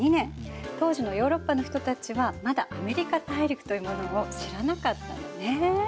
当時のヨーロッパの人たちはまだアメリカ大陸というものを知らなかったのね。